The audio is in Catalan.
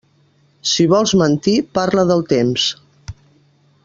Si vols mentir, parla del temps.